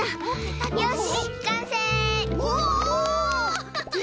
よしかんせい！